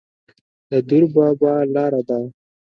د دور بابا لاره ده